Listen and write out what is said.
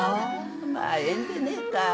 まあええんでねえか。